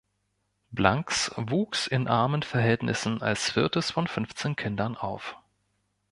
Blanks wuchs in armen Verhältnissen als viertes von fünfzehn Kindern auf.